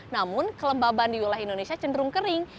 namun kelembaban di wilayah indonesia cenderung kering